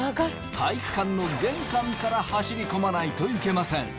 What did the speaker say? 体育館の玄関から走り込まないといけません。